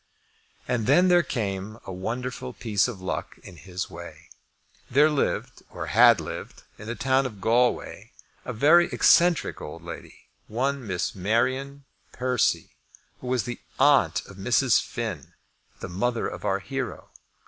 And then there came a wonderful piece of luck in his way. There lived, or had lived, in the town of Galway a very eccentric old lady, one Miss Marian Persse, who was the aunt of Mrs. Finn, the mother of our hero.